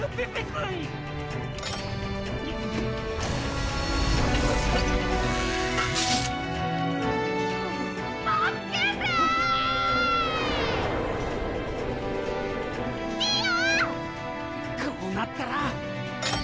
こうなったら！